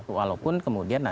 walaupun kemudian nanti